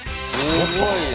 すごいな。